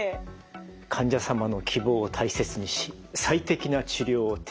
「患者様の希望を大切にし最適な治療を提供します」。